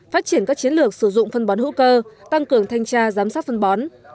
phát triển các chiến lược sử dụng phân bón hữu cơ tăng cường thanh tra giám sát phân bón